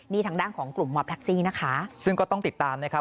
นี่ทางด้านของกลุ่มมอบแท็กซี่นะคะซึ่งก็ต้องติดตามนะครับ